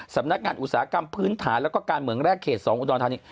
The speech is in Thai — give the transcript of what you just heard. สำนักงานอุตสาหกรรมพื้นฐานแล้วก็การเมืองแรกเขต๒อุดรธานี